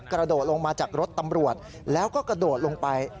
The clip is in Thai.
กระโดดลงมาจากรถตำรวจแล้วก็กระโดดลงไป